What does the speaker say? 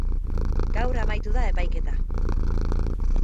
Gaur amaitu da epaiketa.